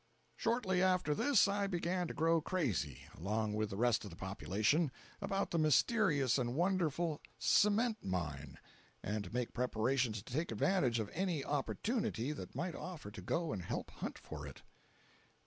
Shortly after this I began to grow crazy, along with the rest of the population, about the mysterious and wonderful "cement mine," and to make preparations to take advantage of any opportunity that might offer to go and help hunt for it.